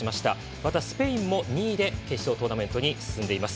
またスペインも２位で決勝トーナメントに進んでいます。